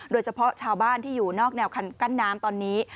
โดยเฉพาะชาวบ้านที่อยู่นอกแนวคันกั้นน้ำตอนนี้